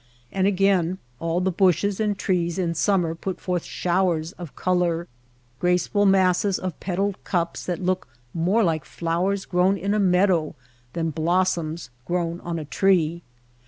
And again all the bushes and trees in summer put forth showers of color — graceful masses of petaled cups that look more like flowers grown in a meadow than blossoms grown on a tree.